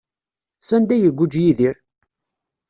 Sanda ay iguǧǧ Yidir?